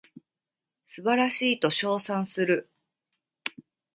素晴らしいと称賛する